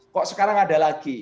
kok sekarang ada lagi